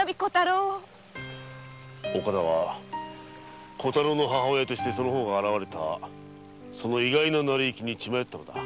岡田は母親としてその方が現れた意外な成り行きに血迷ったのだ。